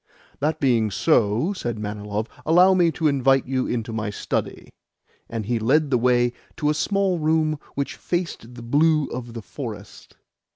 "That being so," said Manilov, "allow me to invite you into my study." And he led the way to a small room which faced the blue of the forest.